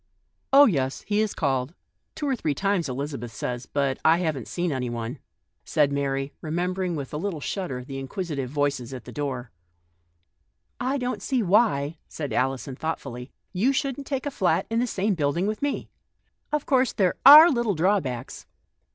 " Yes, he has called. Two or three times, Elizabeth says, but I haven't seen anyone," said Mary, remembering with a little shudder the inquisitive voices at the door. 62 THE BTOBT OF A MODERN WOMAN. "I don't see why," said Alison thought fully, " you shouldn't take a flat in the same building with me. Of course there are little drawbacks.